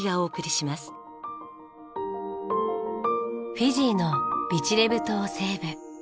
フィジーのビチレブ島西部。